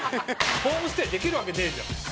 ホームステイできるわけねえじゃん。